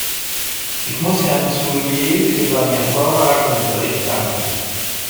Ich muss Herrn Soulier für seinen hervorragenden Bericht danken.